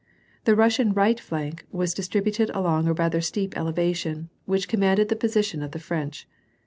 The Russian right flank was distributed along a rather steep elevation, which commanded the position of the French.